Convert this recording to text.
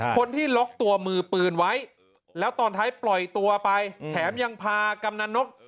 คนที่ล็อกตัวมือปืนไว้แล้วตอนท้ายปล่อยตัวไปแถมยังพากำนันนก